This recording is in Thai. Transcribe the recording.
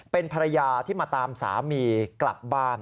เป็นภรรยาที่มาตามสามีกลับบ้าน